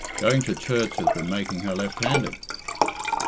Going to church has been making her left handed!"